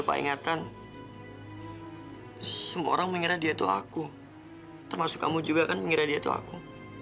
untuk mengibatkan kaman itu